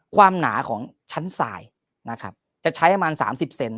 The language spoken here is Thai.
ความหนาของชั้นทรายนะครับจะใช้อามารณสามสิบเซน